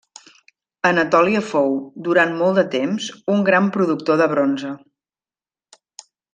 Anatòlia fou, durant molt de temps, un gran productor de bronze.